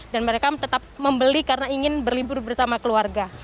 dan mereka tetap membeli karena ingin berlibur bersama keluarga